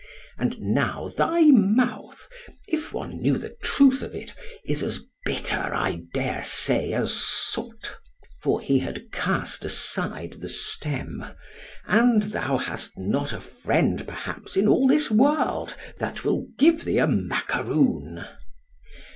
——And now thy mouth, if one knew the truth of it, is as bitter, I dare say, as soot—(for he had cast aside the stem) and thou hast not a friend perhaps in all this world, that will give thee a macaroon.